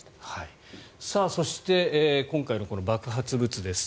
そして、今回の爆発物です。